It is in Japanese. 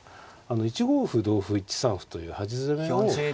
１五歩同歩１三歩という端攻めをまあ。